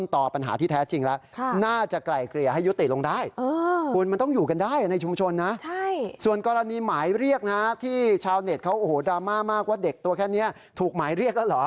ตัวแค่นี้ถูกหมายเรียกแล้วเหรอ